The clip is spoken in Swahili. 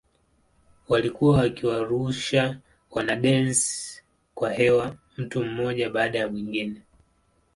Walikuwa wakiwarusha wanadensi kwa hewa mtu mmoja baada ya mwingine.